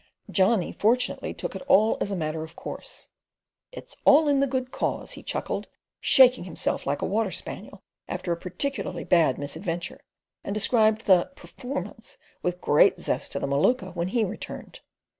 Johnny fortunately took it all as a matter of course. "It's all in the good cause," he chuckled, shaking himself like a water spaniel after a particularly bad misadventure; and described the "performance" with great zest to the Maluka when he returned.